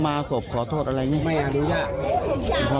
ดุกกับโดดเขามีเรื่องอะไรกัน